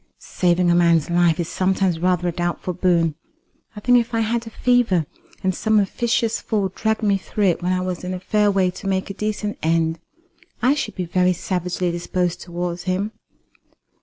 "Saving a man's life is sometimes rather a doubtful boon. I think if I had a fever, and some officious fool dragged me through it when I was in a fair way to make a decent end, I should be very savagely disposed towards him."